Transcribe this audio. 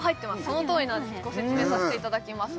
そのとおりなんですご説明させていただきます